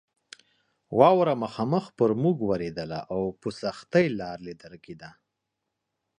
واوره مخامخ پر موږ ورېدله او په سختۍ لار لیدل کېده.